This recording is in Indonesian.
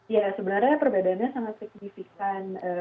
ya sebenarnya perbedaannya sangat signifikan